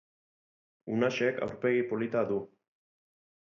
Unaxek aurpegi polita du